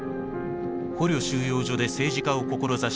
捕虜収容所で政治家を志した